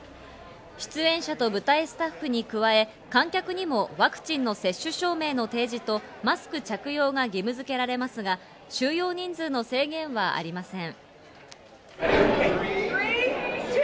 出演者と舞台スタッフに加え、観客にもワクチンの接種証明の提示とマスク着用を義務付けられますが、収容人数の制限はありません。